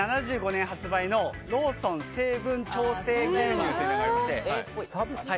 １９７５年発売のローソン成分無調整牛乳というのがありまして。